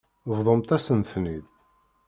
Bḍumt-asen-ten-id.